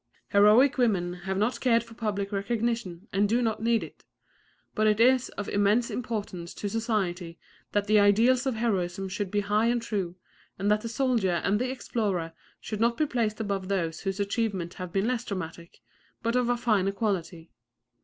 Heroic women have not cared for public recognition and do not need it; but it is of immense importance to society that the ideals of heroism should be high and true, and that the soldier and the explorer should not be placed above those whose achievements have been less dramatic, but of a finer quality.